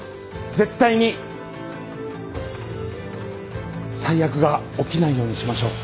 絶対に「最悪」が起きないようにしましょう。